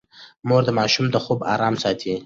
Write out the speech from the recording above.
مور د ماشوم د خوب ارام ساتي.